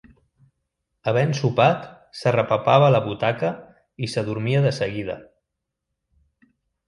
Havent sopat, s'arrepapava a la butaca i s'adormia de seguida.